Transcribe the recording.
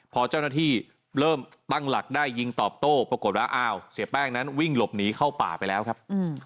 พอเจ้าหน้าที่เริ่มตั้งหลักได้ยิงตอบโต้ปรากฏว่าอ้าวเสียแป้งนั้นวิ่งหลบหนีเข้าป่าไปแล้วครับ